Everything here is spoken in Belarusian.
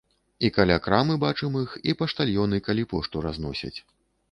І каля крамы бачым іх, і паштальёны, калі пошту разносяць.